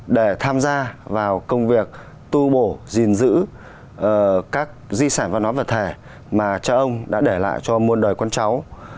để tham gia vào công việc tu bổ gìn giữ các di sản văn hóa vật thể mà cha ông đã để lại cho muôn đời con cháu